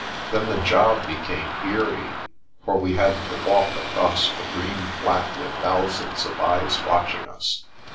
Then the job became eerie, for we had to walk across a green flat with thousands of eyes watching us.